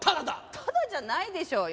タダじゃないでしょうよ。